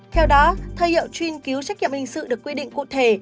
theo đó thời hiệu truy cứu trách nhiệm hình sự được quyết định cụ thể